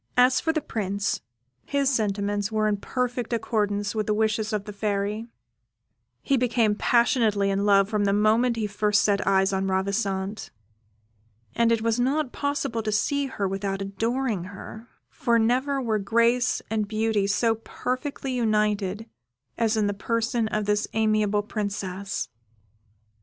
As for the Prince, his sentiments were in perfect accordance with the wishes of the Fairy: he became passionately in love from the moment he first set eyes on Ravissante; and it was not possible to see her without adoring her, for never were grace and beauty so perfectly united as in the person of this amiable princess.